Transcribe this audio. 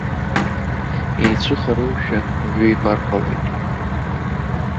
Еицәыхароушәа уаҩы ибар ҟалоит.